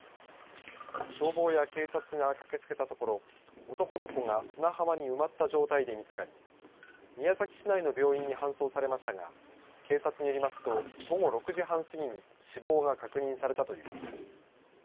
消防や警察が駆けつけたところ男の子が砂浜に埋まった状態で見つかり宮崎市内の病院に搬送されましたが警察によりますと午後６時半過ぎに死亡が確認されたということです。